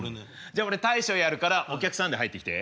じゃ俺大将やるからお客さんで入ってきて。